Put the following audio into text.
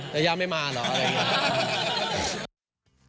ยาย่าไม่มาเหรออะไรอย่างนี้